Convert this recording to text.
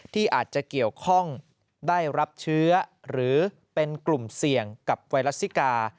ที่อาจจะเกี่ยวข้องได้รับเชื้อหรือเป็นกลุ่มเสี่ยงกับไวรัสซิกา